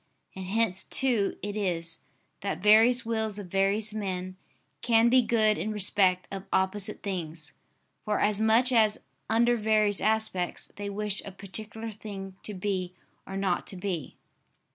And hence too it is, that various wills of various men can be good in respect of opposite things, for as much as, under various aspects, they wish a particular thing to be or not to be.